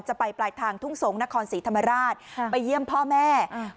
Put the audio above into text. จะไปปลายทางทุ่งสงศ์นครศรีธรรมราชไปเยี่ยมพ่อแม่อ่า